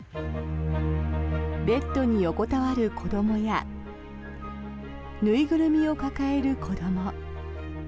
ベッドに横たわる子どもや縫いぐるみを抱える子ども。